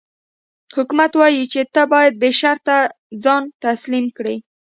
حکومت وايي چې ته باید بې شرطه ځان تسلیم کړې.